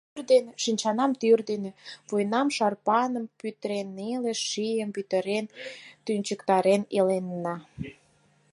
Шинчанам тӱр дене, вуйнам шарпаным пӱтырен, неле шийым пӱтырен тӱнчыктарен иленна.